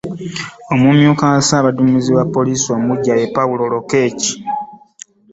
Omumyuka wa Ssaabaduumizi wa poliisi omuggya, ye Paul Lokech